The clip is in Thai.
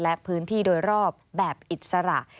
และพื้นที่โดยรอบแบบอิสระ